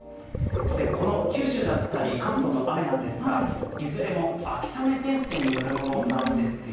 この九州だったり関東の雨ですがいずれも秋雨前線によるものなんですよ。